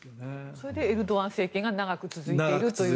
それでエルドアン政権が長く続いていると。